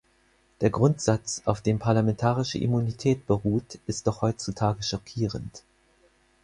Der Grundsatz, auf dem parlamentarische Immunität beruht, ist doch heutzutage schockierend.